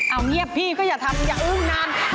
เอ้าเหี้ยพี่ก็อย่าทำอย่างอุ้มนาน